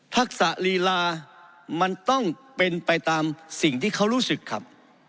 ทักษะลีลามันต้องเป็นไปตามสิ่งที่เขารู้สึกครับ